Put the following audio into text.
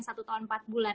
satu tahun empat bulan